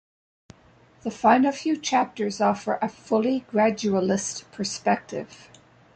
The final few chapters offer a fully gradualist perspective.